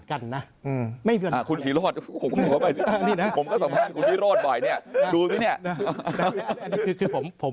คุณวิโรธผมก็สำคัญคุณวิโรธบ่อยนี่ดูซินี่